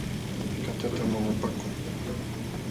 Katatam awapaakun .